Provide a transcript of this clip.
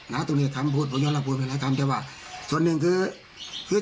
นะตรงนี้คำพูดผมยอดละพูดเป็นหลายคำแต่ว่าส่วนหนึ่งคือ